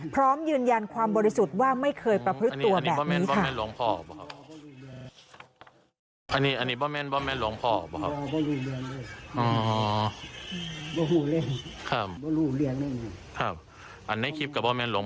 พร้อมยืนยันความบริสุทธิ์ว่าไม่เคยประพฤติตัวเด็ก